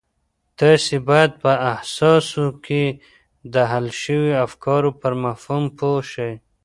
تاسې بايد په احساساتو کې د حل شويو افکارو پر مفهوم پوه شئ.